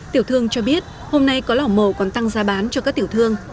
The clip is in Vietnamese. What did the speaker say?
tiểu thương cho biết hôm nay có lò mổ còn tăng giá bán cho các tiểu thương